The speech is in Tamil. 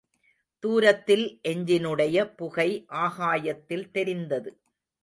தூரத்தில் எஞ்சினுடைய புகை ஆகாயத்தில் தெரிந்தது.